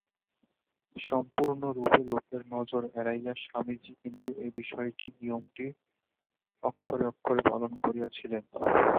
সম্পূর্ণরূপে লোকের নজর এড়াইয়া স্বামীজী কিন্তু এ-বিষয়ক নিয়মটি অক্ষরে অক্ষরে পালন করিয়াছিলেন।